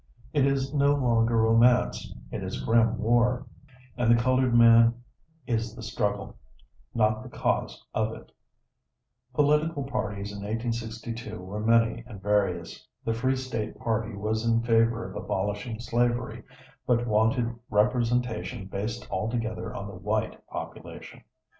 It is no longer romance; it is grim war, and the colored man is the struggle, not the cause of it. Political parties in 1862 were many and various. The Free State party was in favor of abolishing slavery, but wanted representation based altogether on the white population.